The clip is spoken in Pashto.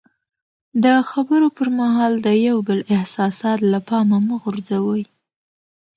د خبرو پر مهال د یو بل احساسات له پامه مه غورځوئ.